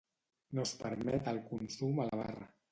No es permet el consum a la barra.